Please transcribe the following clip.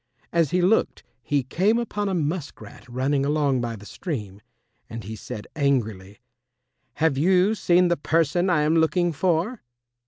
As he looked he came upon a musk rat running along by the stream, and he said angrily, "Have you seen the person I am looking for?"